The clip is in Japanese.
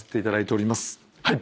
はい！